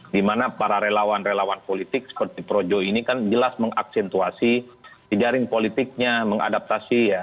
dimana para relawan relawan politik seperti projo ini kan jelas mengaksentuasi di jaring politiknya mengadaptasi ya